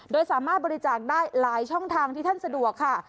โดยสามารถบริจาคได้หลายช่องทางที่ท่านสะดวกค่ะ